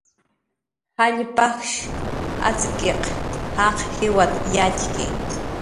Jall pajsh atz'kiq jaq jiway yatxki